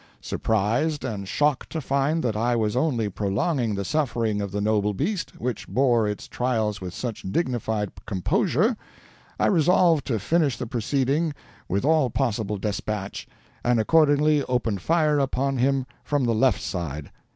Surprised and shocked to find that I was only prolonging the suffering of the noble beast, which bore its trials with such dignified composure, I resolved to finish the proceeding with all possible despatch, and accordingly opened fire upon him from the left side.